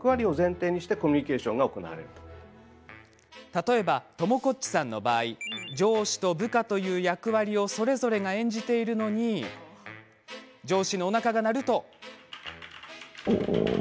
例えば、ともこっちさんの場合上司と部下という役割をそれぞれが演じているのに上司のおなかが鳴ると。